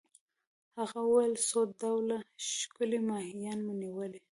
هغه وویل: څو ډوله ښکلي ماهیان مي نیولي.